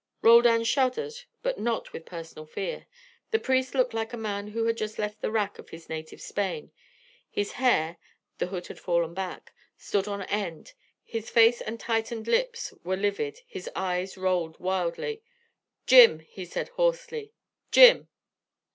Roldan shuddered, but not with personal fear. The priest looked like a man who had just left the rack of his native Spain. His hair the hood had fallen back stood on end, his face and tightened lips were livid, his eyes rolled wildly. "Jim!" he said hoarsely. "Jim!"